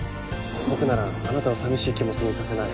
僕ならあなたを寂しい気持ちにさせない。